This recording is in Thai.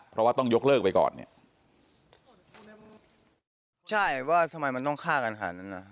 เพราะว่าต้องยกเลิกไปก่อนเนี่ยใช่ว่าทำไมมันต้องฆ่ากันขนาดนั้นน่ะ